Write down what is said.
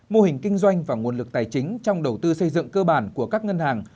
mô hình kinh doanh và nguồn lực tài chính trong đầu tư xây dựng cơ bản của các ngân hàng